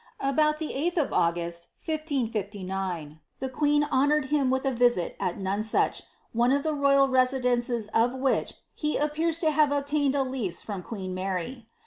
About the 8ih of August, 1559, the queen honoured him with a visit It Nonsuch,' one of the royal residences of whicli he appears to have obtained a lease from queen Mary.